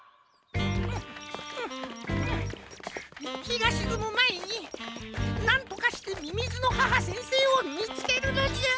ひがしずむまえになんとかしてみみずの母先生をみつけるのじゃ！